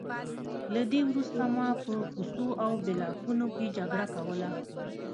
له دې وروسته ما په کوڅو او بلاکونو کې جګړه کوله